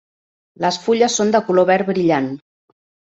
Les fulles són de color verd brillant.